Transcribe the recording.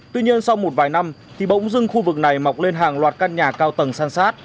tuy nhiên sau một vài năm thì bỗng dưng khu vực này mọc lên hàng loạt căn nhà cao tầng san sát